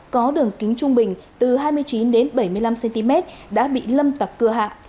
có đường kính trung bình từ hai mươi chín đến bảy mươi năm cm đã bị lâm tặc cưa hạ